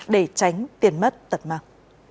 để tránh tiền mất tật mạng